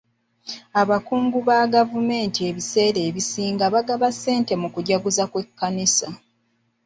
Abakungu ba gavumenti ebiseera ebisinga bagaba ssente mu kujaguza kw'ekkanisa.